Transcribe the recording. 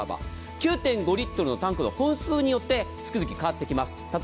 ９．５リットルのタンクの本数によって月々、変わってきます。